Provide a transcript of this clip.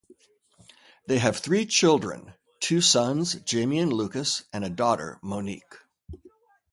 They have three children - two sons, Jamie and Lukas, and a daughter, Monique.